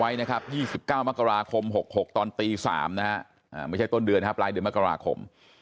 ไว้นะครับ๒๙มกราคม๖๖ตอนตี๓นะไม่ใช่ต้นเดือนครับรายเดือน